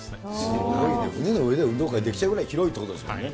すごいね、船の上で運動会できちゃうぐらい広いってことですもんね。